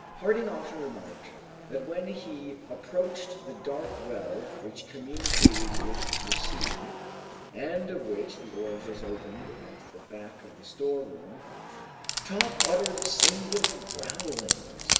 Harding often remarked that when he approached the dark well which communicated with the sea, and of which the orifice opened at the back of the storeroom, Top uttered singular growlings.